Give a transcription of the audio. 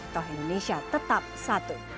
toh indonesia tetap satu